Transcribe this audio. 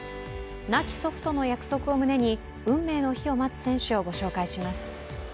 亡き祖父との約束を胸に、運命の日を待つ選手をご紹介します。